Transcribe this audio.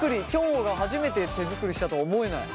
もが初めて手作りしたとは思えない。